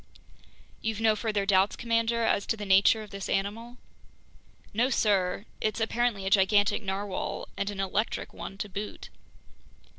"You've no further doubts, commander, as to the nature of this animal?" "No, sir, it's apparently a gigantic narwhale, and an electric one to boot."